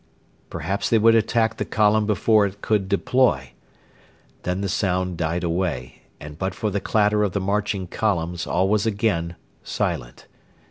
Perhaps they would attack the column before it could deploy. Then the sound died away, and but for the clatter of the marching columns all was again silent.